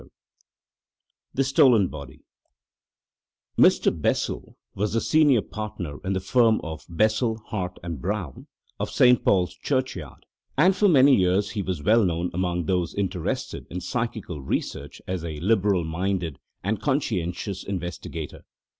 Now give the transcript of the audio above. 10. THE STOLEN BODY Mr. Bessel was the senior partner in the firm of Bessel, Hart, and Brown, of St. Paul's Churchyard, and for many years he was well known among those interested in psychical research as a liberal minded and conscientious investigator.